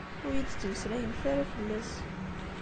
Ur iyi-d-ttmeslayemt ara fell-as.